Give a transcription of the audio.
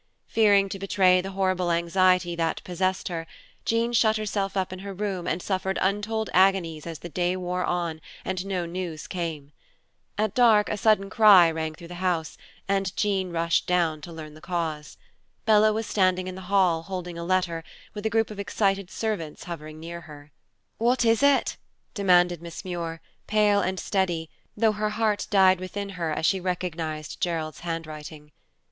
Fearing to betray the horrible anxiety that possessed her, Jean shut herself up in her room and suffered untold agonies as the day wore on and no news came. At dark a sudden cry rang through the house, and Jean rushed down to learn the cause. Bella was standing in the hall, holding a letter, while a group of excited servants hovered near her. "What is it?" demanded Miss Muir, pale and steady, though her heart died within her as she recognized Gerald's handwriting.